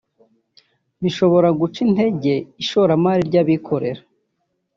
bishobora guca intege ishoramari ry’abikorera